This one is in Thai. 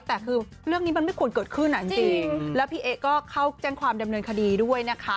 แต่คือเรื่องนี้มันไม่ควรเกิดขึ้นอ่ะจริงแล้วพี่เอ๊ก็เข้าแจ้งความดำเนินคดีด้วยนะคะ